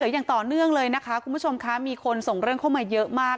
อย่างต่อเนื่องเลยนะคะคุณผู้ชมคะมีคนส่งเรื่องเข้ามาเยอะมาก